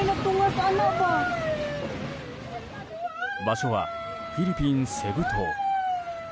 場所はフィリピン・セブ島。